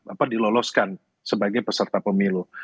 apa diloloskan sebagai peserta pemilu